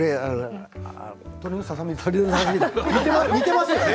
鶏のささ身似てますよね。